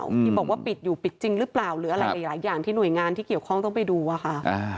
ที่บอกว่าปิดอยู่ปิดจริงหรือเปล่าหรืออะไรหลายอย่างที่หน่วยงานที่เกี่ยวข้องต้องไปดูอะค่ะ